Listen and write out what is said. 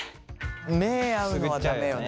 目合うのは駄目よね。